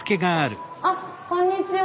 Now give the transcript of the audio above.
あこんにちは。